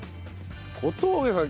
小峠さん